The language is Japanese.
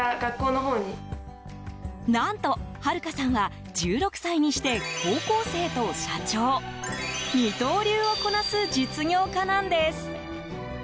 何と華香さんは１６歳にして高校生と社長二刀流をこなす実業家なんです。